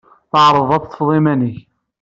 Tɛerḍeḍ ad teḍḍfeḍ iman-nnek.